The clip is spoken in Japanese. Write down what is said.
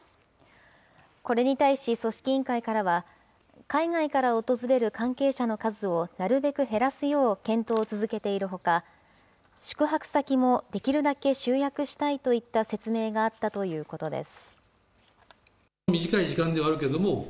これに対し組織委員会からは、海外から訪れる関係者の数をなるべく減らすよう検討を続けているほか、宿泊先もできるだけ集約したいといった説明があったということです。